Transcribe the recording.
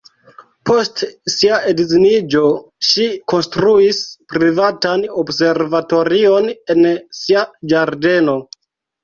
Post sia edziniĝo, ŝi konstruis privatan observatorion en sia ĝardeno.